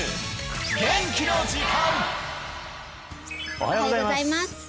おはようございます